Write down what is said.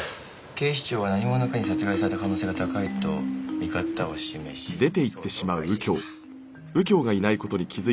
「警視庁は何者かに殺害された可能性が高いとの見方を示し捜査を開始した」あれ？